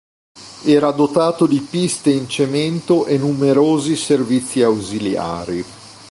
Era dotato di piste in cemento e numerosi servizi ausiliari.